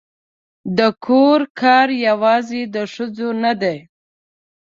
د کور کار یوازې د ښځو نه دی